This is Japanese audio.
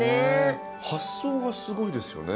発想がすごいですよね。